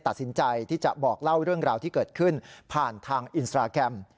ตัดสินใจที่จะบอกเล่าเรื่องราวที่เกิดขึ้นผ่านทางอินสตราแกรม